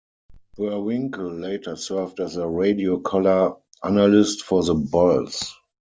Boerwinkle later served as a radio color analyst for the Bulls.